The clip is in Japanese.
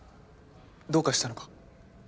どうかしたのか？